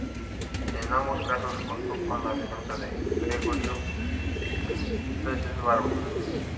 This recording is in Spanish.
En ambos casos contó con la defensa de Gregorio Peces-Barba.